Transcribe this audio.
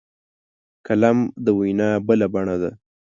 قلم د وینا بله بڼه ده